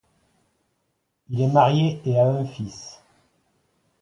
Il est marié et a un fils.